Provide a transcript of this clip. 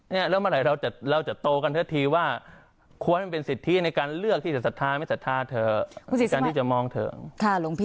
แล้วเมื่อไหร่เราจะโตกันเท่าที่ว่า